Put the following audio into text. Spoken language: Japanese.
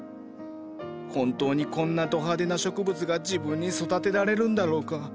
本当にこんなど派手な植物が自分に育てられるんだろうか？